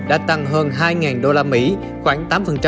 đã tăng hơn hai đô la mỹ khoảng tám